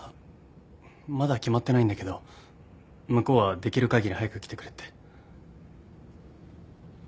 まだ決まってないんだけど向こうはできる限り早く来てくれって。